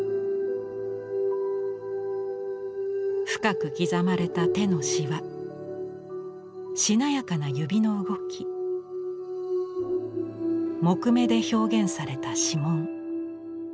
深く刻まれた手のシワしなやかな指の動き木目で表現された指紋。